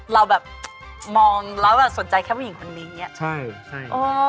เราแบบมองเราแบบสนใจแค่ผู้หญิงคนนี้เนี่ยโอ้ยใช่